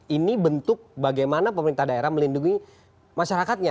ini bentuk bagaimana pemerintah daerah melindungi masyarakatnya